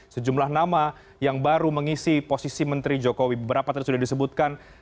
sejumlah nama yang baru mengisi posisi menteri jokowi beberapa tadi sudah disebutkan